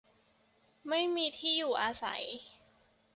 ไม่มีที่อยู่อาศัย